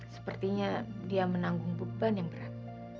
sepertinya dia menanggung beban yang berat